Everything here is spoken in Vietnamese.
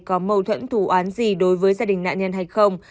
có mâu thuẫn thủ án gì đối với gia đình nạn nhân hay không